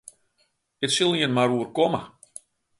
It sil jin mar oerkomme.